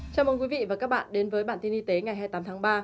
chào mừng quý vị và các bạn đến với bản tin y tế ngày hai mươi tám tháng ba